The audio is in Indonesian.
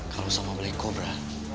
kalau sama mereka